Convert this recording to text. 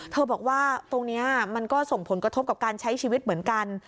บอกว่าตรงนี้มันก็ส่งผลกระทบกับการใช้ชีวิตเหมือนกัน